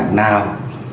cũng tìm ra được